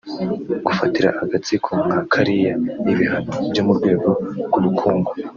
gufatira agatsiko nka kariya ibihano byo mu rwego rw’ubukungu